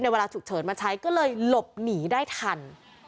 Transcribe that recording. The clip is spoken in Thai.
เวลาฉุกเฉินมาใช้ก็เลยหลบหนีได้ทัน